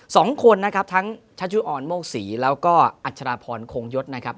สองคนนะครับทั้งชัชยุออนโมกศรีแล้วก็อัชราพรคงยศนะครับ